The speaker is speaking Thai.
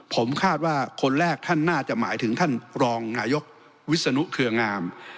ผมคาดว่าคนแรกท่านน่าจะหมายถึงท่านรองนายกวิศนุเครืองาม